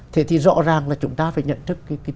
thế thì rõ ràng là chúng ta phải nhận thức cái tiền thưởng